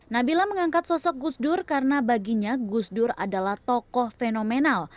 nabila mengangkat sosok gusdur karena baginya gusdur adalah tokoh fenomenal